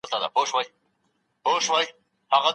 سیل 🦭